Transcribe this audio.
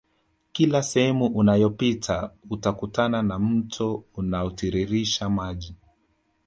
Kila sehemu unayopita utakutana na mto unaotiririsha maji